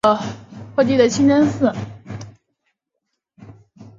派蒂芙妮耶尔韦莱德苏丹清真寺是土耳其伊斯坦布尔的一座奥斯曼清真寺。